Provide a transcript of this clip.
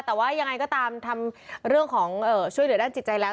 แต่ว่ายังไงก็ตามทำเรื่องของช่วยเหลือด้านจิตใจแล้ว